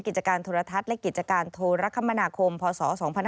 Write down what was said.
กิจการโทรทัศน์และกิจการโทรคมนาคมพศ๒๕๖๒